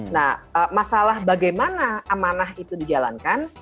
nah masalah bagaimana amanah itu dijalankan